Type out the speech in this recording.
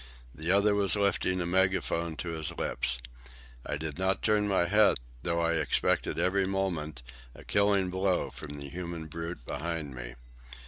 The other was lifting a megaphone to his lips. I did not turn my head, though I expected every moment a killing blow from the human brute behind me.